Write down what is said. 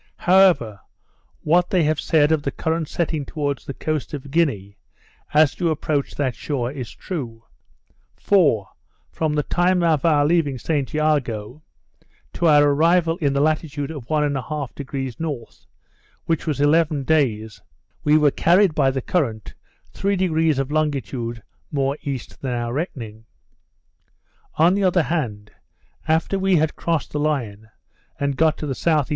However, what they have said of the current setting towards the coast of Guinea, as you approach that shore, is true. For, from the time of our leaving St Jago, to our arrival into the latitude of 1 1/2° N., which was eleven days, we were carried by the current 3° of longitude more east than our reckoning. On the other hand, after we had crossed the Line, and got the S.E.